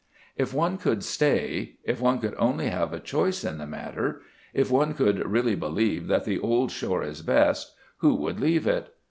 If one could stay, if one could only have a choice in the matter, if one could really believe that the old shore is best, who would leave it?